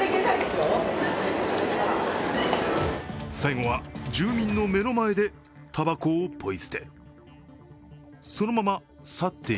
最後は住民の目の前でたばこをポイ捨て。